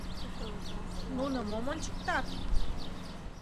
— Нуно мом ончыктат?